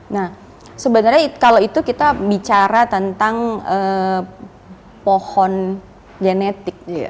nah sebenarnya kalau itu kita bicara tentang pohon genetik